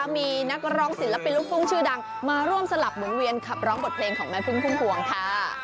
มีนักร้องศิลปินลูกทุ่งชื่อดังมาร่วมสลับหมุนเวียนขับร้องบทเพลงของแม่พึ่งพุ่มพวงค่ะ